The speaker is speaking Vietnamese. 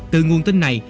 từ nguồn tin này